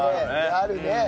あるね。